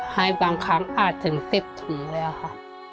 ให้บางครั้งอาจถึง๑๐ถุงเลยค่ะ